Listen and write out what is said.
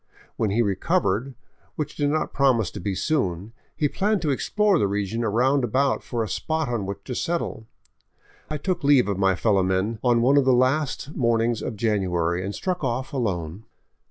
When he recovered, which did not promise to be soon, he planned to explore the region round about for a spot on which to settle. I took leave of my fellow men on one of the last mornings of January and struck off alone.